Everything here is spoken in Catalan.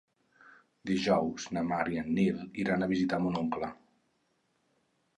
Dijous na Mar i en Nil iran a visitar mon oncle.